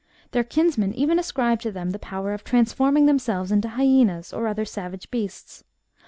Their kinsmen even ascribe to them the power of transforming themselves into hyaenas, or other savage beasts.